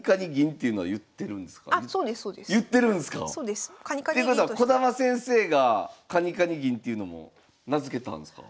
っていうことは児玉先生がカニカニ銀っていうのも名付けたんですか？